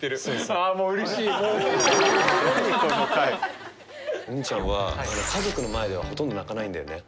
あぁもうおにいちゃんは家族の前ではほとんど泣かないんだよね。